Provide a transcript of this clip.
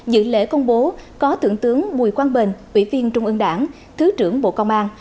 dự lễ công bố có thượng tướng bùi quang bình ủy viên trung ương đảng thứ trưởng bộ công an